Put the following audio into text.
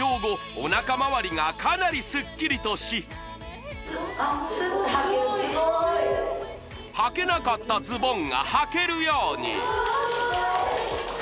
おなかまわりがかなりスッキリとしはけなかったズボンがはけるように！